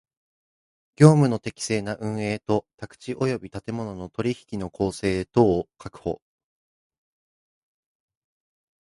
業務の適正な運営と宅地及び建物の取引の公正とを確保